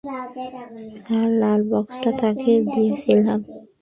Sir, লাল বাক্সটা, - তাকে দিয়েছিলাম।